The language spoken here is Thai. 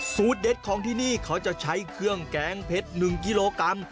เด็ดของที่นี่เขาจะใช้เครื่องแกงเพชร๑กิโลกรัม